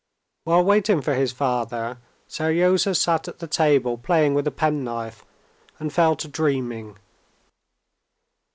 While waiting for his father, Seryozha sat at the table playing with a penknife, and fell to dreaming.